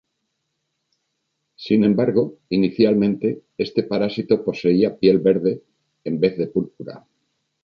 Sin embargo inicialmente este Parásito poseía piel verde en vez de púrpura.